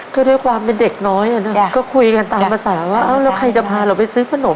คือด้วยความเป็นเด็กน้อยอ่ะนะก็คุยกันตามภาษาว่าเอ้าแล้วใครจะพาเราไปซื้อขนม